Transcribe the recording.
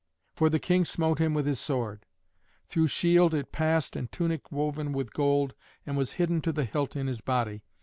For the king smote him with his sword: through shield it passed and tunic woven with gold, and was hidden to the hilt in his body.